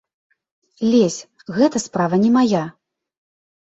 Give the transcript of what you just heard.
Лезь, гэта справа не мая.